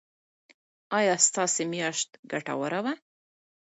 ایا ستاسو میاشت ګټوره وه؟